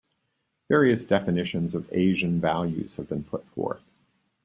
Various definitions of "Asian values" have been put forth.